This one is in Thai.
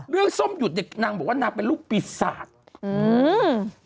เรื่องส้มหยุดนางบอกว่านางเป็นลูกปีศาจ